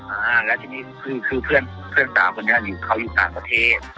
อ่าแล้วทีนี้คือคือเพื่อนเพื่อนสาวคนนี้อยู่เขาอยู่ต่างประเทศ